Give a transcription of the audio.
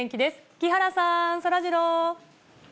木原さん、そらジロー。